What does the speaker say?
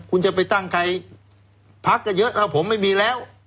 คุณจะไปตั้งใครพักก็เยอะแล้วผมไม่มีแล้ว